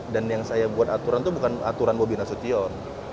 dan yang saya buat aturan tuh bukan aturan bobi nasution